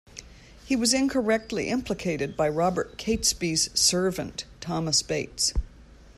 He was incorrectly implicated by Robert Catesby's servant Thomas Bates.